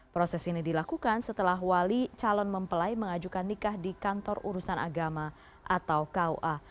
proses ini dilakukan setelah wali calon mempelai mengajukan nikah di kantor urusan agama atau kua